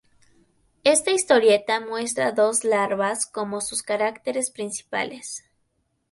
Esta historieta muestra dos larvas como sus caracteres principales.